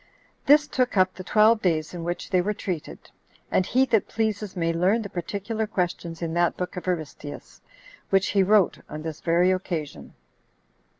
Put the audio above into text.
This took up the twelve days in which they were treated; and he that pleases may learn the particular questions in that book of Aristeus, which he wrote on this very occasion.